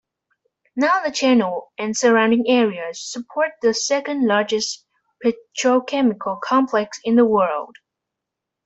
Now the channel and surrounding area support the second-largest petrochemical complex in the world.